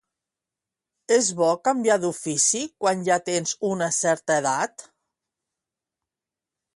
És bo canviar d'ofici quan ja tens una certa edat?